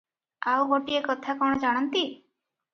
ଆଉ ଗୋଟିଏ କଥା କଣ ଜାଣନ୍ତି?